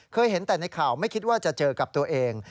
เคยเห็นแต่ในข่าวไม่คิดว่าจะเจอกับตัวเอง